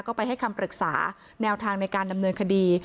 ก็ไปให้คำปรึกษาแนวทางในการดำเนินคดี